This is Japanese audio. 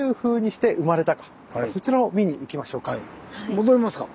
戻りますか。